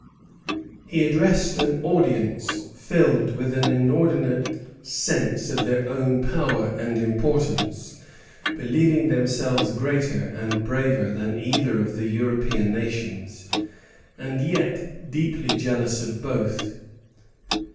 He addressed an audience filled with an inordinate sense of their own power and importance, believing themselves greater and braver than either of the European nations, and yet deeply jealous of both.